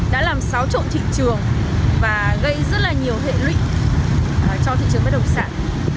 đã làm xáo trộn thị trường và gây rất là nhiều hệ lụy cho thị trường bất động sản